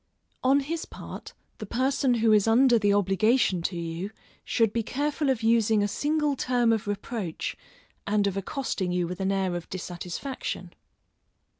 On his part, the person who is under the obligation to you, should be careful of using a single term of reproach and of accosting you with an air of dissatisfaction.